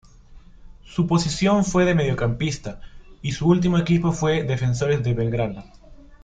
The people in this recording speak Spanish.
Su posición fue de mediocampista y su último equipo fue Defensores de Belgrano.